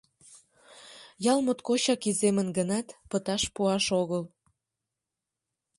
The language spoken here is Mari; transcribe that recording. Ял моткочак иземын гынат, пыташ пуаш огыл.